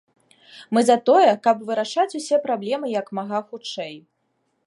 Мы за тое, каб вырашаць усе праблемы як мага хутчэй.